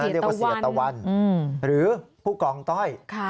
เรียกว่าเสียตะวันหรือผู้กองต้อย